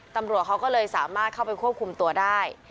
ตำรวจเขาก็เลยสามารถเข้าไปควบคุมตัวได้